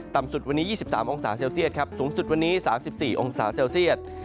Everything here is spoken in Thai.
สุดวันนี้๒๓องศาเซลเซียตครับสูงสุดวันนี้๓๔องศาเซลเซียต